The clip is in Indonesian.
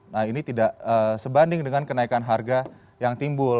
nah ini tidak sebanding dengan kenaikan harga yang timbul